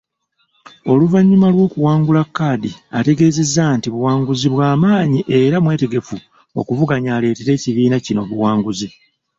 Oluvannyuma lw'okuwangula kkaadi ategeezezza nti buwanguzi bw'amaanyi era mwetegefu okuvuganya aleetere ekibiina kino obuwanguzi.